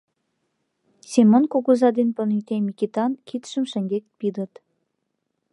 Семон кугыза ден понетей Микитан кидшым шеҥгек пидыт.